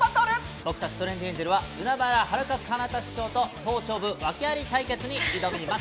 僕たちトレンディエンジェルは海原はるか・かなた師匠と頭頂部訳アリ対決に挑みます。